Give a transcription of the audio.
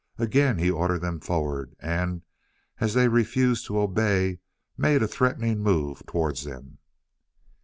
Again he ordered them forward, and, as they refused to obey, made a threatening move towards them.